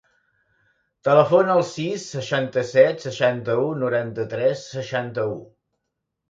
Telefona al sis, seixanta-set, seixanta-u, noranta-tres, seixanta-u.